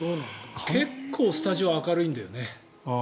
結構スタジオ明るいんだよね。